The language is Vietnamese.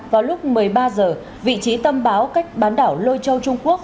vào lúc một mươi ba h vị trí tâm báo cách bán đảo lôi châu trung quốc